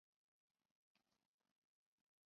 萧恩舞团及舞蹈学校等。